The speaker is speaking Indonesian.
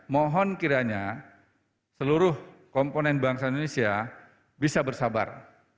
mohon kiranya seluruh komponen bangsa indonesia bisa bersabar